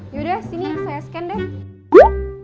yaudah sini saya scan deh